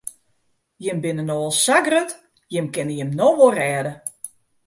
Jimme binne no al sa grut, jimme kinne jim no wol rêde.